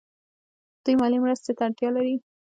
دوی مالي مرستې ته اړتیا لري.